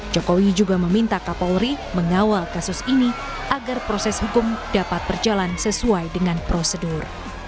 jokowi juga meminta kapolri mengawal kasus ini agar proses hukum dapat berjalan sesuai dengan prosedur